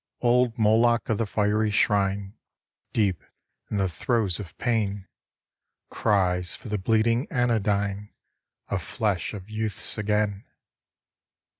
Old Moloch of the fiery shrine, Deep in the throes of pain, Cries for the bleeding anodyne Of flesh of youths again.